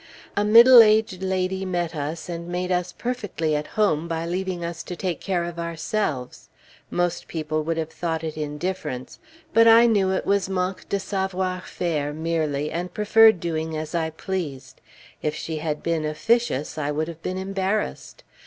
A middle aged lady met us, and made us perfectly at home by leaving us to take care of ourselves; most people would have thought it indifference; but I knew it was manque de savoir faire, merely, and preferred doing as I pleased. If she had been officious, I would have been embarrassed.